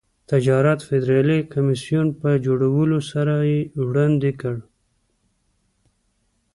د تجارت فدرالي کمېسیون په جوړولو سره یې وړاندې کړ.